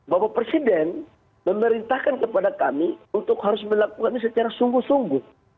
bapak presiden memerintahkan kepada kami untuk harus melakukan ini secara sungguh sungguh